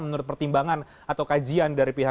menurut pertimbangan atau kajian dari pihak